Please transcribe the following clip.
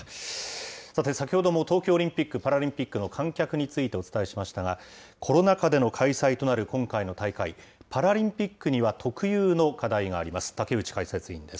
さて、先ほども東京オリンピック・パラリンピックの観客についてお伝えしましたが、コロナ禍での開催となる今回の大会、パラリンピックには特有の課題があります。